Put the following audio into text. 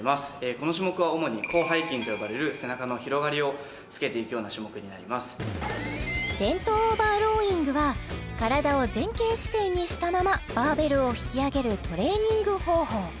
この種目は主に広背筋と呼ばれる背中の広がりをつけていくような種目になりますベントオーバーロウイングは体を前傾姿勢にしたままバーベルを引き上げるトレーニング方法